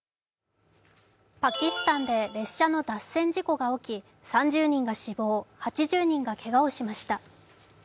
パキスタンで列車の脱線事故が起き、３０人が死亡、８０人がけがをしました。